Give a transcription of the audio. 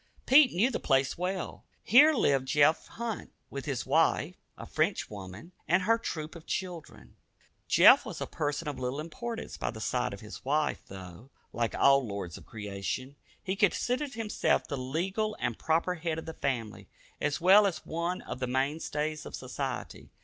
Pete knew the place well. Here lived Jeff Hunt with his wife, a French woman, and their troop of children. Jeff was a person of little importance by the side of his wife, though, like all "lords of creation," he considered himself the legal and proper head of the family, as well as one of the mainstays of society.